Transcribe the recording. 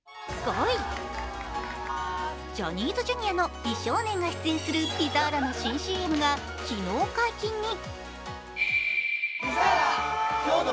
ジャニーズＪｒ．の美少年が出演するピザーラの新ＣＭが昨日解禁に。